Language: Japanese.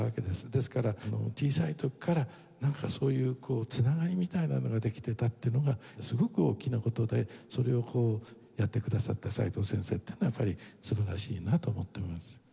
ですから小さい時からなんかそういう繋がりみたいなものができていたっていうのがすごく大きな事でそれをこうやってくださった齋藤先生っていうのはやっぱり素晴らしいなと思っています。